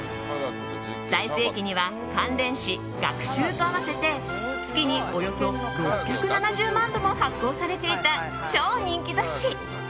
最盛期には関連誌「学習」と合わせて月におよそ６７０万部も発行されていた超人気雑誌。